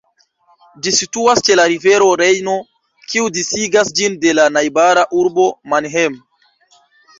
Ĝi situas ĉe la rivero Rejno, kiu disigas ĝin de la najbara urbo Mannheim.